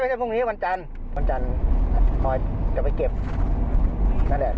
ไม่ใช่พรุ่งนี้วันจันทร์วันจันทร์จะไปเก็บนั่นแหละ